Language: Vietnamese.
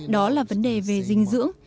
đó là vấn đề về dinh dưỡng